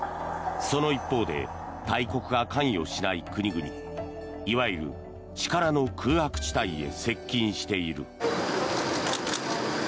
その一方で大国が関与しない国々いわゆる、力の空白地帯へ接近している。